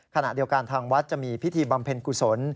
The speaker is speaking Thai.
ขณะเดียวกันทางวัดจะมีพิธีบำเพ็ญกุศล